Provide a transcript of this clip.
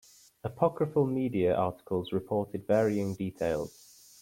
Apocryphal media articles reported varying details.